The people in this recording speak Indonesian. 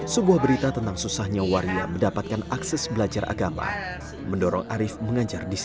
sebuah berita tentang susahnya waria mendapatkan akses belajar agama mendorong arief mengajar di